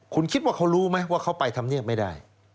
คุณคิดว่าเขารู้ไหมว่าเขาไปทำเนียบไม่ได้